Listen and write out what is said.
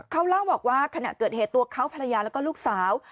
เขาเล่าบอกว่าขณะเกิดเหตุตัวเขาภรรยาแล้วก็ลูกสาว